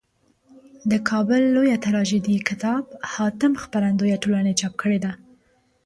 دکابل لویه تراژیدي کتاب حاتم خپرندویه ټولني چاپ کړیده.